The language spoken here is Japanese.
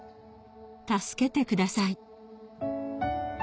助けてください」